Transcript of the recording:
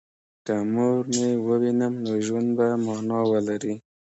که مور مې ووینم نو ژوند به مانا ولري